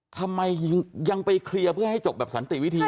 ทำไมยังไปเคลียร์เพื่อให้จบแบบสันติวิธี